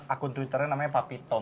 aku nge tweet dia namanya papitom